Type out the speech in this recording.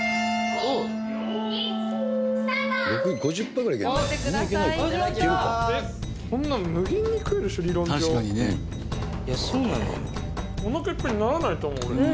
おなかいっぱいにならないと思う俺。